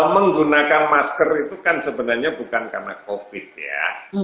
menggunakan masker itu kan sebenarnya bukan karena covid ya